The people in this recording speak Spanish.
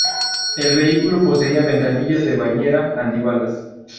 El vehículo poseía ventanillas de bañera antibalas.